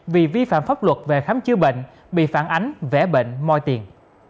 vì vi phạm pháp luật về khám chữa bệnh bị phản ánh vẽ bệnh moi tiền